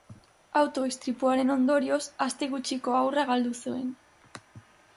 Auto-istripuaren ondorioz aste gutxiko haurra galdu zuen